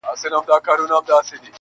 • رابولې زر مخونه د خپل مخ و تماشې ته,